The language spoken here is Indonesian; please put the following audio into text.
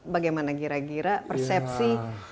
bagaimana gira gira persepsi